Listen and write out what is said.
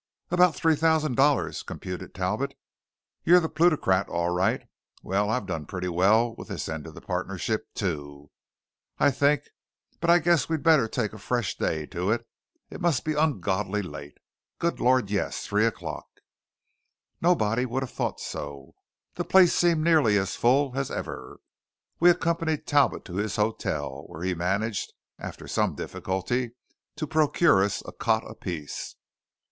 "About three thousand dollars," computed Talbot. "You're the plutocrat, all right. Well, I've done pretty well with this end of the partnership, too. I think but I guess we'd better take a fresh day to it. It must be ungodly late. Good Lord, yes! Three o'clock!" Nobody would have thought so. The place seemed nearly as full as ever. We accompanied Talbot to his hotel, where he managed, after some difficulty, to procure us a cot apiece.